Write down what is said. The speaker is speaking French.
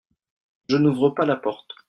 Je n'ouvre pas la porte.